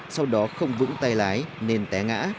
sau đó không vững tay lái nên té ngã